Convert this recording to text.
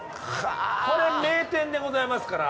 これ名店でございますから。